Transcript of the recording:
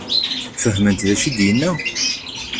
Fehment d acu i d-yenna?